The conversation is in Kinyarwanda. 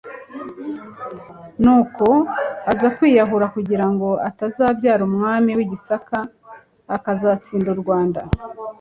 nuko aza kwiyahura kugirango atazabyara Umwami w'I Gisaka akazatsinda u Rwanda.